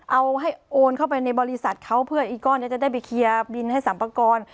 เอาให้โอนเข้าไปในบริษัทเขาเพื่ออีกก้อนนี้จะได้ไปเคลียร์บินให้สรรพากร